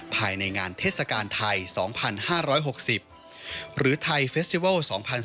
ภายในงานเทศกาลไทย๒๕๖๐หรือไทยเฟสติวัล๒๐๑๙